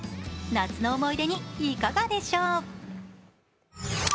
夏の思い出にいかがでしょう。